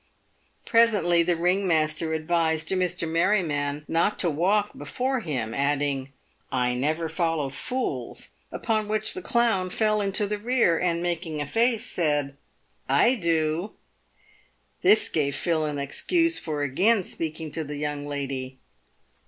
Presently the ring master advised Mr. Merryman not to walk before him, adding, " I never follow fools ;" upon which the clown fell into the rear, and, making a face, said, " I do." This gave Phil an excuse for again speaking to the young lady.